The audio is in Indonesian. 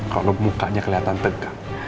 kalau mukanya kelihatan tegak